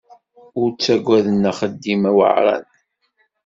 Ur ttagaden axeddim aweɛṛan.